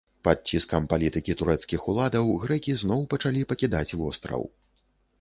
Пад ціскам палітыкі турэцкіх уладаў, грэкі зноў пачалі пакідаць востраў.